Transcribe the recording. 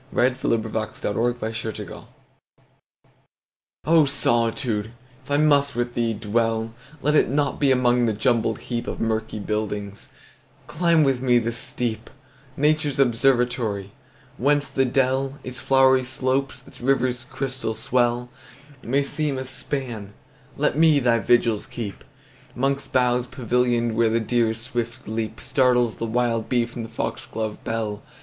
1884. 20. O Solitude! if I must with thee dwell O SOLITUDE! if I must with thee dwell, Let it not be among the jumbled heapOf murky buildings; climb with me the steep,—Nature's observatory—whence the dell, Its flowery slopes, its river's crystal swell, May seem a span; let me thy vigils keep'Mongst boughs pavillion'd, where the deer's swift leapStartles the wild bee from the fox glove bell.